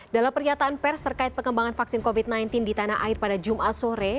dalam pernyataan pers terkait pengembangan vaksin covid sembilan belas di tanah air pada jumat sore